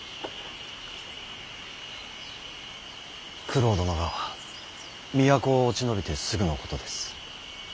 九郎殿が都を落ち延びてすぐのことです。